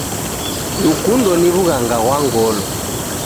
Lukundo ni wughanga ghwa ngolo